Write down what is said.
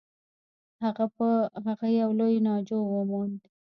هغه یو لوی ناجو و موند.